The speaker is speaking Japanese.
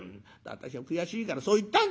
「私も悔しいからそう言ったんですよ。